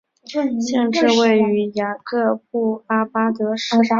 县治位于雅各布阿巴德市。